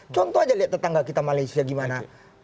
contoh aja lihat tetangga kita malaysia gimana